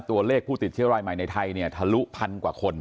ตัวเลขผู้ติดเชื้อรายใหม่ในไทยเนี่ยทะลุพันกว่าคน